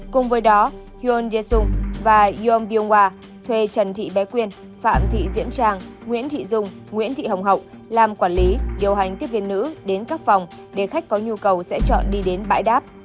cùng với đó yoon ye sun và yoon byung hwa thê trần thị bé quyên phạm thị diễm trang nguyễn thị dung nguyễn thị hồng hậu làm quản lý điều hành tiếp viên nữ đến các phòng để khách có nhu cầu sẽ chọn đi đến bãi đáp